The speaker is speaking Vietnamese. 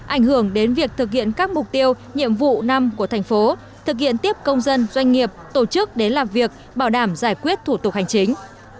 ảnh hưởng đến việc thực hiện các mục tiêu nhiệm vụ năm của thành phố thực hiện tiếp công dân doanh nghiệp tổ chức đến làm việc bảo đảm giải quyết thủ tục hành chính